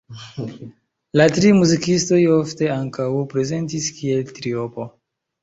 La tri muzikistoj ofte ankaŭ prezentis kiel triopo.